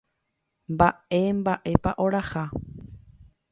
Mba'emba'épa oraha.